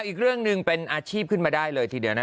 อีกเรื่องหนึ่งเป็นอาชีพขึ้นมาได้เลยทีเดียวนะ